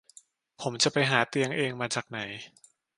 ผมจะไปหาเตียงเองมาจากไหน